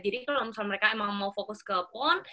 jadi kalau misal mereka emang mau fokus ke pon